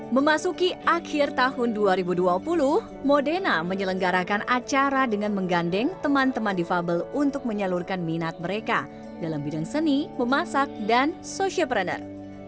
memasuki akhir tahun dua ribu dua puluh modena menyelenggarakan acara dengan menggandeng teman teman difabel untuk menyalurkan minat mereka dalam bidang seni memasak dan social planner